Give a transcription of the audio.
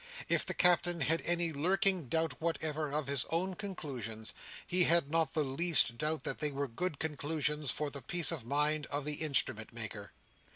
If the Captain had any lurking doubt whatever of his own conclusions, he had not the least doubt that they were good conclusions for the peace of mind of the Instrument maker.